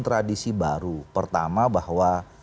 tradisi baru pertama bahwa